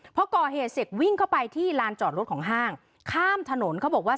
พอก่อเหตุเสร็จวิ่งเข้าไปที่ลานจอดรถของห้างข้ามถนนเขาบอกว่า